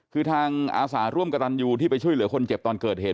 คือทางอาสาร่วมกระตันยูที่ไปช่วยเหลือคนเจ็บตอนเกิดเหตุ